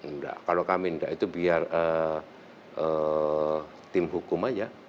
nggak kalau kami nggak itu biar tim hukum aja